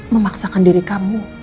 memaksakan diri kamu